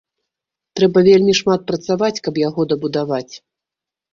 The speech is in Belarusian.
Трэба вельмі шмат працаваць, каб яго дабудаваць!